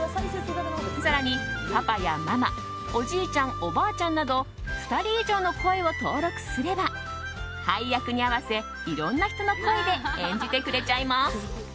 更にパパやママおじいちゃん、おばあちゃんなど２人以上の声を登録すれば配役に合わせいろんな人の声で演じてくれちゃいます。